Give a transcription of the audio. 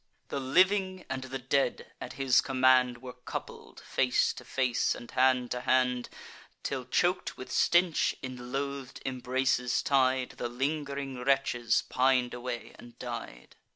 The living and the dead at his command Were coupled, face to face, and hand to hand, Till, chok'd with stench, in loath'd embraces tied, The ling'ring wretches pin'd away and died.